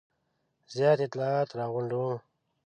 زیات اطلاعات را غونډوم.